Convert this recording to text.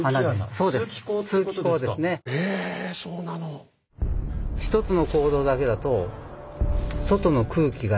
そうなの？